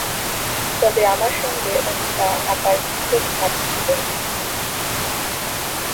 তবে আমার সঙ্গে অনুফা আপার খুব ভাব ছিল।